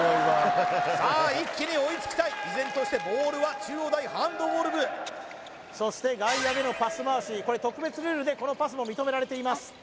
さあ一気に追いつきたい依然としてボールは中央大ハンドボール部そして外野でのパス回しこれ特別ルールでこのパスも認められています